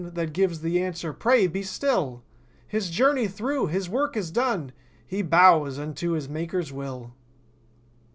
That gives the answer: "Pray be still! His journey's through! His work is done! He bows unto his Maker's will."